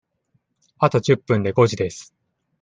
あと十分で五時です。